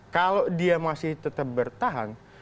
kalau dia masih tetap bertahan